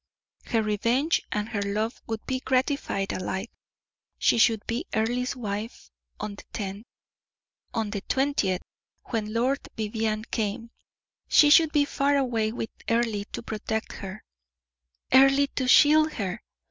Her revenge and her love would be gratified alike. She should be Earle's wife on the tenth; on the twentieth, when Lord Vivianne came, she should be far away with Earle to protect her; Earle to shield her.